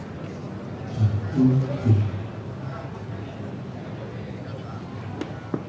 terlihat ada kapolri di sana